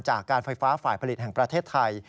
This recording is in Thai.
จากการไฟฟ้าฝ่ายผลิตแห่งประเทศไทย